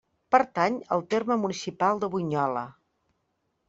Pertany al terme municipal de Bunyola.